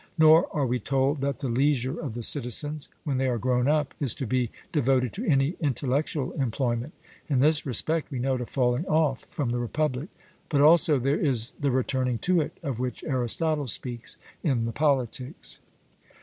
Nor are we told that the leisure of the citizens, when they are grown up, is to be devoted to any intellectual employment. In this respect we note a falling off from the Republic, but also there is 'the returning to it' of which Aristotle speaks in the Politics.